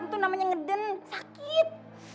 itu namanya ngeden sakit